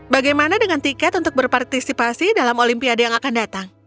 bagaimana dengan tiket untuk berpartisipasi dalam olimpiade yang akan datang